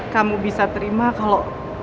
kamu bisa terima kalo